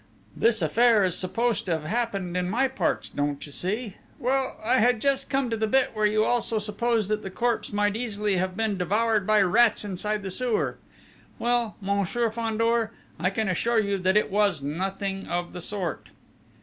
This affair is supposed to have happened in my parts, don't you see?... Well, I had just come to the bit where you also suppose that the corpse might easily have been devoured by rats inside the sewer.... Well, Monsieur Fandor, I can assure you that it was nothing of the sort...."